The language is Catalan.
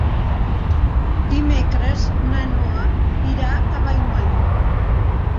Dimecres na Noa irà a Vallmoll.